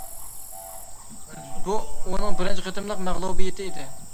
بۇ ئۇنىڭ بىرىنچى قېتىملىق مەغلۇبىيىتى ئىدى.